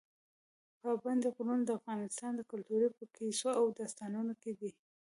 پابندي غرونه د افغان کلتور په کیسو او داستانونو کې دي.